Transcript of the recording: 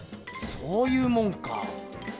そういうもんか。